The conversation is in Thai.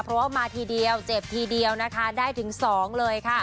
เพราะว่ามาทีเดียวเจ็บทีเดียวนะคะได้ถึง๒เลยค่ะ